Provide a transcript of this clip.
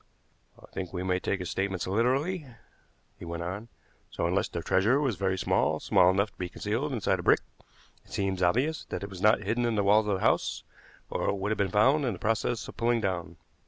"I think we may take his statements literally," he went on; "so unless the treasure was very small, small enough to be concealed inside a brick, it seems obvious that it was not hidden in the walls of the house, or it would have been found in the process of pulling down."